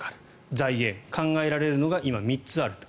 財源、考えられるのが今、３つあると。